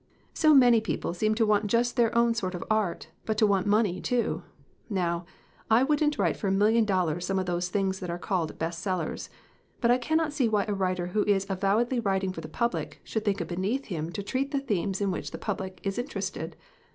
So many people seem to want just their own sort of art, but to want money, too. Now, I wouldn't write for a million dollars some of those things that are called 'best sellers.' But I cannot see why a writer who is avowedly writing for the public should think it beneath him to treat the themes in which the public is interested.